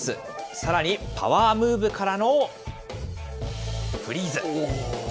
さらにパワームーブからのフリーズ。